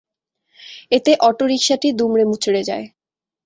এতে অটোরিকশাটি দুমড়ে মুচড়ে যায়।